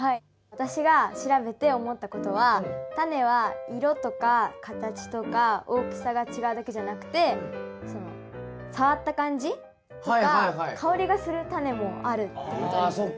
私が調べて思ったことはタネは色とか形とか大きさが違うだけじゃなくて触った感じとか香りがするタネもあるってことに気付きました。